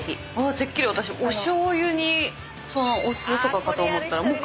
てっきり私おしょうゆにお酢とかかと思ったら。